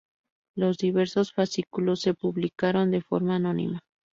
Los diversos fascículos se publicaron de forma anónima.